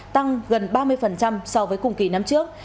tăng gần ba mươi so với cùng kỳ năm trước